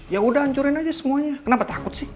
ya udah hancurin aja semuanya kenapa takut sih